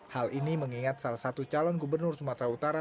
hal ini mengingat salah satu calon gubernur sumatera utara